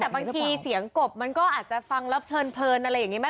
แต่บางทีเสียงกบก็อาจจะฟังระเผินอะไรอย่างนี้